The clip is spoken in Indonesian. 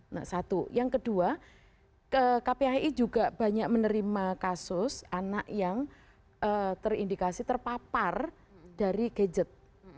nah satu yang kedua kpai juga banyak menerima kasus anak yang terindikasi terpapar dari gadget